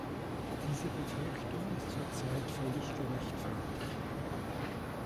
Diese Befürchtung ist zur Zeit völlig gerechtfertigt.